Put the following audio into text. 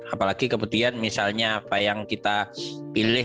apalagi kemudian misalnya apa yang kita pilih